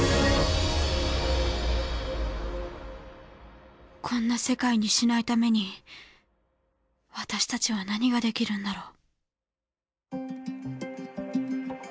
心の声こんな世界にしないために私たちは何ができるんだろう？